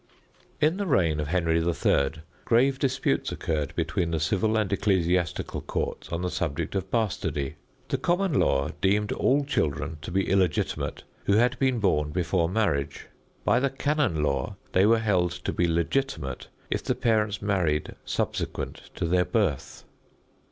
In the reign of Henry III., grave disputes occurred between the civil and ecclesiastical courts on the subject of bastardy. The common law deemed all children to be illegitimate who had been born before marriage. By the canon law they were held to be legitimate if the parents married subsequent to their birth.